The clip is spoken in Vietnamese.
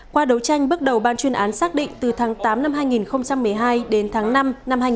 qua đấu tranh bước đầu ban chuyên án xác định từ tháng tám năm hai nghìn một mươi hai đến tháng năm năm hai nghìn một mươi tám